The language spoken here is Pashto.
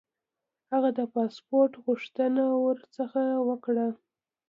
هغه د پاسپوټ غوښتنه ورڅخه وکړه.